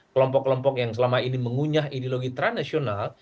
kelompok kelompok yang selama ini mengunyah ideologi transnasional